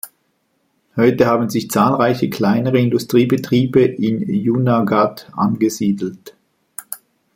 Heute haben sich zahlreiche kleinere Industriebetriebe in Junagadh angesiedelt.